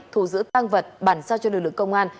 thù giữ tăng vật bản sao cho lực lượng công an